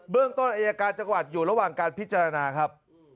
เรื่องต้นอายการจังหวัดอยู่ระหว่างการพิจารณาครับ